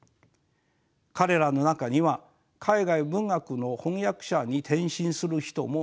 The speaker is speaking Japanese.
彼らの中には海外文学の翻訳者に転身する人も少なくありません。